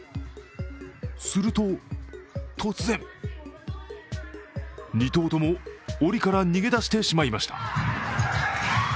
すると突然２頭とも、檻の中から逃げ出してしまいました。